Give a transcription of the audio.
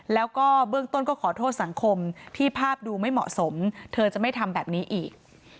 แล้วก็เบื้องต้นก็ขอโทษสังคมที่ภาพดูไม่เหมาะสมเธอจะไม่ทำแบบนี้อีก